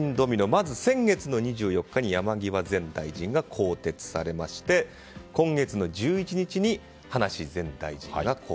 まず先月２４日に山際前大臣が更迭されまして今月の１１日に葉梨前大臣が更迭。